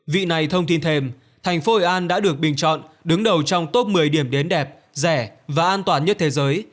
vị này thông tin thêm thành phố hội an đã được bình chọn đứng đầu trong top một mươi điểm đến đẹp rẻ và an toàn nhất thế giới